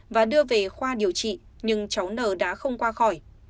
và đưa về khoa điều trị nhưng cháu n đã không qua khỏi